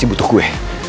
dia butuh gue